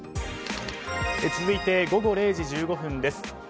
続いて午後０時１５分です。